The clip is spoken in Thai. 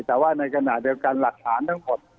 แต่ว่าในกรณาเดิมการหลักฐานทั้งหมด